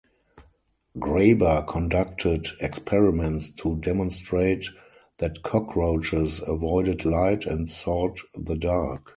Graber conducted experiments to demonstrate that cockroaches avoided light and sought the dark.